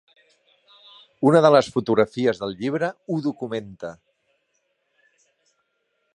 Una de les fotografies del llibre ho documenta.